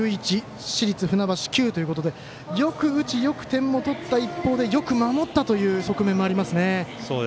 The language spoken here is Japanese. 市立船橋は９ということでよく打ち、よく点も取った一方でよく守ったという側面もありますね。